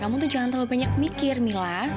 kamu tuh jangan terlalu banyak mikir mila